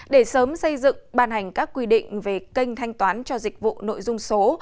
để sớm xây dựng ban hành các quy định về kênh thanh toán cho dịch vụ nội dung số